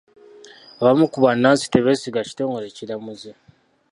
Abamu ku bannansi tebeesiga kitongole kiramuzi.